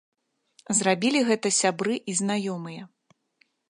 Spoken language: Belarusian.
Зрабілі гэта сябры і знаёмыя.